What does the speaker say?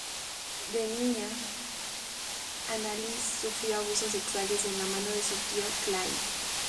De niña, Annalise sufrió abusos sexuales de la mano de su tío, Clyde.